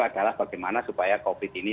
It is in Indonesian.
adalah bagaimana supaya covid ini